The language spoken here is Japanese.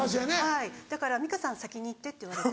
はいだから「美香さん先に行って」って言われて。